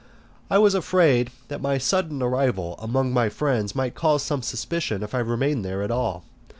I was afraid that my sudden arrival among my friends might cause some suspicion if I remained there at all.